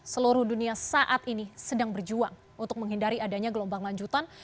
seluruh dunia saat ini sedang berjuang untuk menghindari adanya gelombang lanjutan